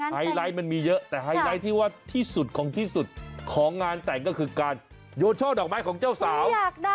ไฮไลท์มันมีเยอะแต่ไฮไลท์ที่ว่าที่สุดของที่สุดของงานแต่งก็คือการโยนช่อดอกไม้ของเจ้าสาว